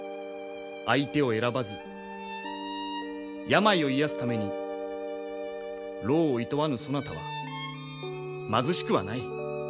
相手を選ばず病を癒やすために労をいとわぬそなたは貧しくはない。